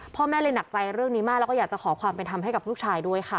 พ่อแม่เลยหนักใจเรื่องนี้มากแล้วก็อยากจะขอความเป็นธรรมให้กับลูกชายด้วยค่ะ